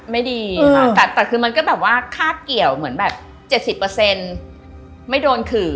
ไม่ดีค่ะแต่คือมันก็แบบว่าคาดเกี่ยวเหมือนแบบ๗๐ไม่โดนขื่อ